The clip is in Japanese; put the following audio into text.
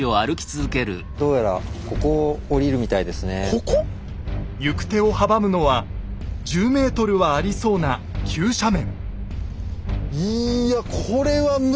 ここ⁉行く手を阻むのは１０ｍはありそうな急斜面